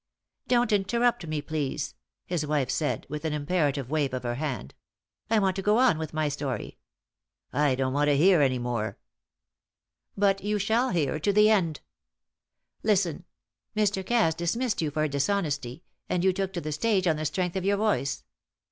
"Don't interrupt me, please," his wife said, with an imperative wave of her hand. "I want to go on with my story." "I don't want to hear any more." "But you shall hear to the end. Listen, Mr. Cass dismissed you for dishonesty, and you took to the stage on the strength of your voice.